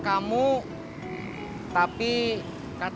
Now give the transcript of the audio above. kalau nggak bfield ulang